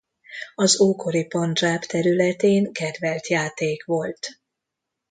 Az ókori Pandzsáb területén kedvelt játék volt.